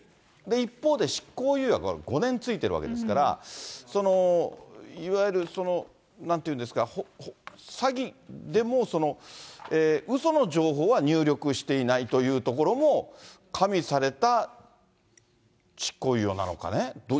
一方で、執行猶予が５年付いてるわけですから、いわゆるなんていうんですか、詐欺でもうその情報は入力していないというところも加味された執行猶予なのかね。